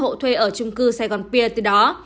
họ thuê ở trung cư saigon pier từ đó